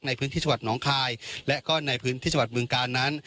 ในพื้นที่จังหวัดน้องคายและก็ในพื้นที่จังหวัดเมืองกาลนั้น